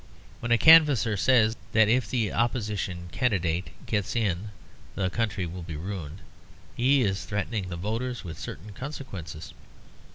When a canvasser says that if the opposition candidate gets in the country will be ruined, he is threatening the voters with certain consequences.